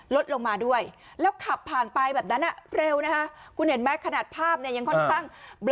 ลดลงมาด้วยแล้วขับผ่านไปแบบนั้นเร็วนะฮะคุณเห็นไหมขนาดภาพเนี่ยยังค่อนข้าง